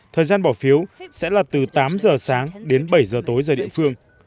thời gian bỏ phiếu sẽ là từ tám giờ sáng đến bảy giờ tối giờ địa phương